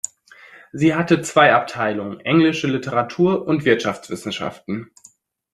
Sie hatte zwei Abteilungen: Englische Literatur und Wirtschaftswissenschaften.